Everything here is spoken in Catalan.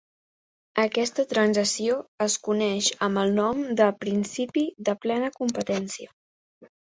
Aquesta transacció es coneix amb el nom de "principi de plena competència".